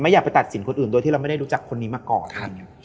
อยากไปตัดสินคนอื่นโดยที่เราไม่ได้รู้จักคนนี้มาก่อน